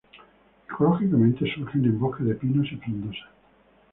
Ecológicamente, surgen en bosques de pinos y frondosas.